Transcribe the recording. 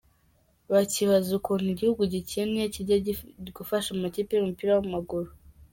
Bakibaza ukuntu igihugu gikennye kijya gufasha amakipe y’umupira w’amaguru!